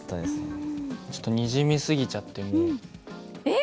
ちょっとにじみ過ぎちゃってもう。え！？